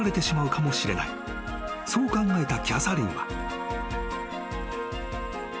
［そう考えたキャサリンは］